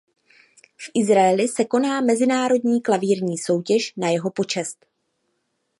V Izraeli se koná mezinárodní klavírní soutěž na jeho počest.